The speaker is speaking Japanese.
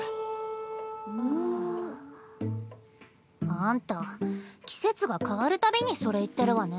あんた季節が変わる度にそれ言ってるわね。